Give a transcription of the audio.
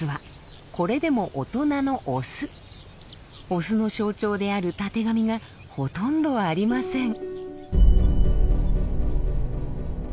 オスの象徴であるたてがみがほとんどありません。